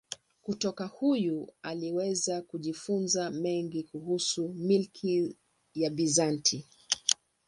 Kutoka huyu aliweza kujifunza mengi kuhusu milki ya Bizanti.